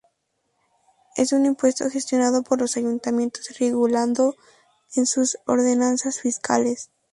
Es un impuesto gestionado por los ayuntamientos y regulado en sus Ordenanzas Fiscales.